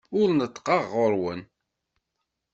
Ur neṭṭqeɣ ɣer-wen.